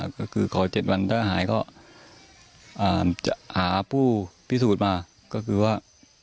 ก็คือขอ๗วันถ้าหายก็จะหาผู้พิสูจน์มาก็คือว่า